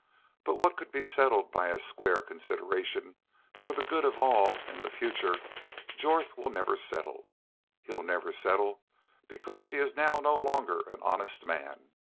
But what could be settled by a square consideration for the good of all an' the future Jorth will never settle. He'll never settle because he is now no longer an honest man.